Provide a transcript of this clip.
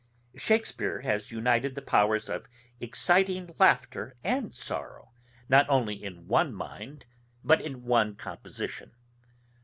Shakespeare has united the powers of exciting laughter and sorrow not only in one mind, but in one composition.